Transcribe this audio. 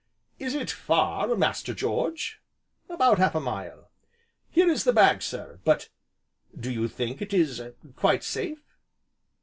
"Is it far, Master George?" "About half a mile." "Here is the bag, sir; but do you think it is quite safe